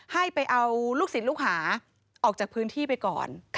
ให้ไปเอาลูกศิษย์ลูกหาออกจากพื้นที่ไปก่อน